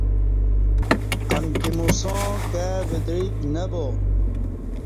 امکی موساں کائی ودعیک نہ با